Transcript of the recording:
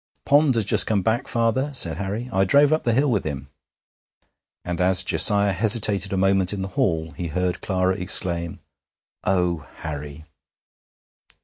'Pond has just come back, father,' said Harry; 'I drove up the hill with him.' And as Josiah hesitated a moment in the hall, he heard Clara exclaim, 'Oh, Harry!'